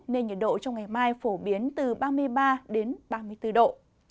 nên nhiệt độ trong ngày mai phổ biến từ ba mươi ba đến ba mươi bốn độ